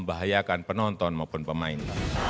membahayakan penonton maupun pemain